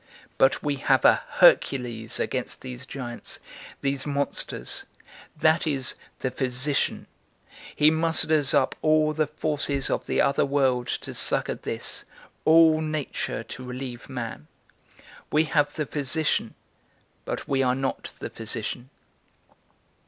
But we have a Hercules against these giants, these monsters; that is, the physician; he musters up all the forces of the other world to succour this, all nature to relieve man. We have the physician, but we are not the physician.